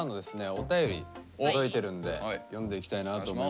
お便り届いてるんで読んでいきたいなと思います。